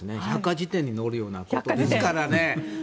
百科事典に載るようなことですからね。